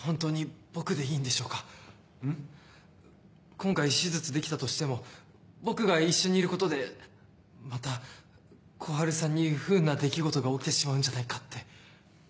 今回手術できたとしても僕が一緒にいることでまた小春さんに不運な出来事が起きてしまうんじゃないかって。